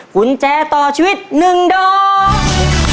กุญแจต่อชีวิต๑ดอก